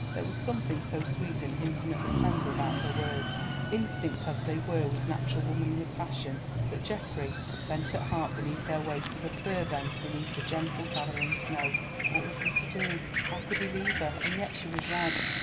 There was something so sweet and infinitely tender about her words, instinct as they were with natural womanly passion, that Geoffrey bent at heart beneath their weight as a fir bends beneath the gentle, gathering snow. What was he to do, how could he leave her? And yet she was right.